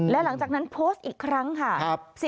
และหลังจากนั้นโพสต์อีกครั้งค่ะ